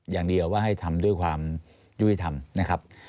อย่างเดียวว่าให้ทำด้วยความยุติธรรมนะครับ